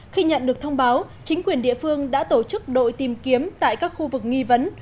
khi nhận được thông báo chính quyền địa phương đã tổ chức đội tìm kiếm tại các khu vực nghi vấn